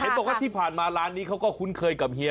บอกว่าที่ผ่านมาร้านนี้เขาก็คุ้นเคยกับเฮีย